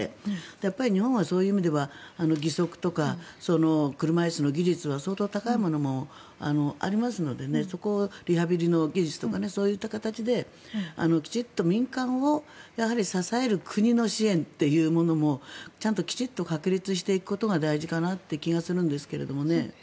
やっぱり日本はそういう意味では義足とか車椅子の技術は相当高いものもありますのでそこをリハビリの技術とかそういった形できちんと民間を支える国の支援というものもちゃんと確立していくことが大事だなという気がするんですけどね。